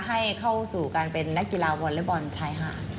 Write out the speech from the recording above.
ให้เข้าสู่การเป็นนักกีฬาวอเล็กบอลชายหาด